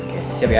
oke siap ya